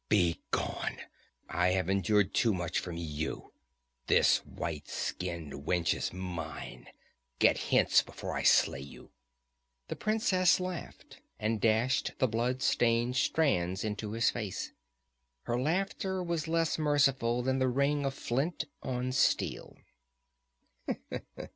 Begone! I have endured too much from you! This white skinned wench is mine! Get hence before I slay you!" The princess laughed and dashed the blood stained strands into his face. Her laughter was less merciful than the ring of flint on steel.